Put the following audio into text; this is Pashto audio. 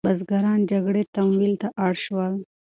بزګران جګړې تمویل ته اړ شول.